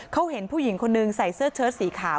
เขาเห็นผู้หญิงคนนึงใส่เสื้อเชิดสีขาว